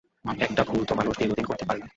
একটা ভুল তো মানুষ দীর্ঘদিন করতে পারে না।